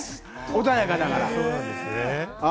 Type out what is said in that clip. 穏やかだから。